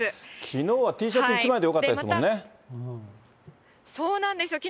きのうはＴシャツ１枚でよかったですもんね。